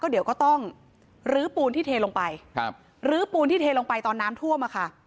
เดี๋ยวก็ต้องลื้อปูนที่เทลงไปครับลื้อปูนที่เทลงไปตอนน้ำท่วมอะค่ะ